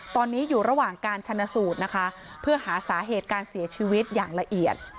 ตอนนี้อยู่ระหว่างการชนะสูตรนะคะเพื่อหาสาเหตุการเสียชีวิตอย่างละเอียด